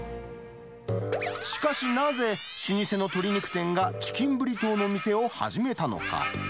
しかし、なぜ老舗の鶏肉店がチキンブリトーの店を始めたのか。